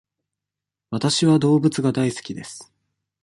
わたしは動物が大好きです。